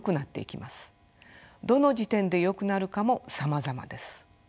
どの時点でよくなるかもさまざまです。